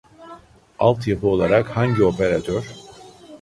Alt yapı olarak hangi operatör